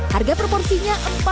harga proporsinya rp empat puluh lima